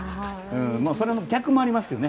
それの逆もありますけど。